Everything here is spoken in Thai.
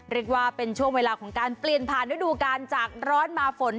เรียกว่าเป็นช่วงเวลาของการเปลี่ยนผ่านฤดูการจากร้อนมาฝน